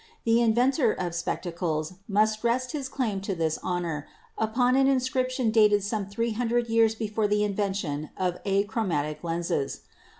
The inventor of spectacles must rest his claim to this honor upon an inscription dated some three hundred years before the invention of achromatic lenses.